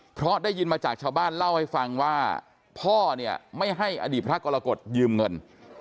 เพราะได้ยินมาจากชาวบ้านเล่าให้ฟังว่าพ่อเนี่ยไม่ให้อดีตพระกรกฎยืมเงิน